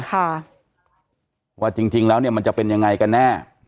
ค่ะว่าจริงแล้วเนี่ยมันจะเป็นยังไงกันแน่